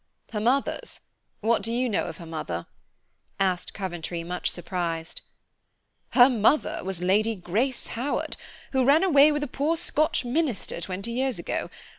"Her mother's! What do you know of her mother?" asked Coventry, much surprised. "Her mother was Lady Grace Howard, who ran away with a poor Scotch minister twenty years ago.